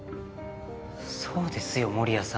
そうですよ守屋さん。